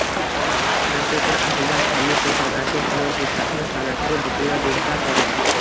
Professor aslida hamisha san`atga, chunonchi, sahna san`atiga butunlay befarq edi